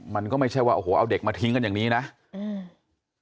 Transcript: มันก็ไม่ใช่ว่าโอ้โหเอาเด็กมาทิ้งกันอย่างนี้นะอืม